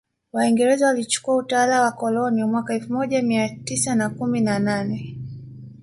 Waingereza walichukua utawala wa koloni mwaka elfu moja mia tisa na kumi na nane